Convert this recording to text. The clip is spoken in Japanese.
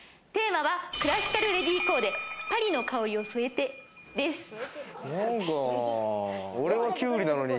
テーマは、クラシカルレディーコーデ、パリの香りを添えてです。